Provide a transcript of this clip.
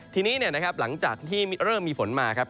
ทีนี้หลังจากที่เริ่มมีฝนมาครับ